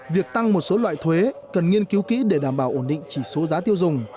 việc tăng một số loại thuế cần nghiên cứu kỹ để đảm bảo ổn định chỉ số giá tiêu dùng